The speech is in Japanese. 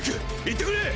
行ってくれ！